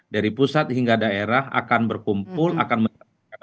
dari pusat hingga daerah akan berkumpul akan mendapatkan